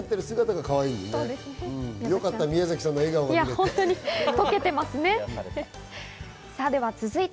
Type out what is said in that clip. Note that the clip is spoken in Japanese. よかった、宮崎さんの笑顔が見られて。